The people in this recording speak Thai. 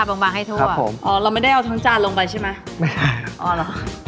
บางบางให้ทั่วผมอ๋อเราไม่ได้เอาทั้งจานลงไปใช่ไหมไม่ได้อ๋อเหรอ